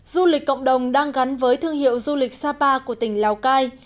du lịch cộng đồng đang gắn với thương hiệu du lịch sapa của tỉnh lào cai